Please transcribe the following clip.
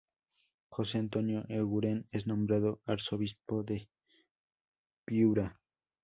Jose Antonio Eguren es nombrado arzobispo de Piura.